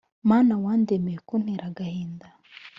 Mana wandemeye kuntera agahinda